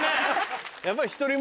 やっぱり。